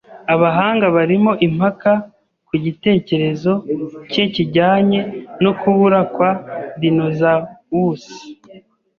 Abahanga barimo impaka ku gitekerezo cye kijyanye no kubura kwa dinozawusi.